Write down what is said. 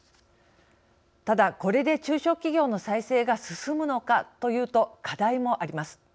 ただこれで中小企業の再生が進むのかというと課題もあります。